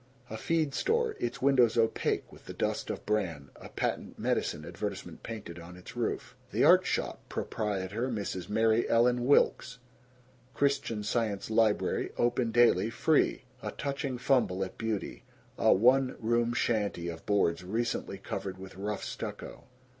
A feed store, its windows opaque with the dust of bran, a patent medicine advertisement painted on its roof. Ye Art Shoppe, Prop. Mrs. Mary Ellen Wilks, Christian Science Library open daily free. A touching fumble at beauty. A one room shanty of boards recently covered with rough stucco.